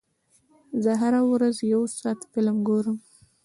زه هره ورځ یو ساعت فلم ګورم.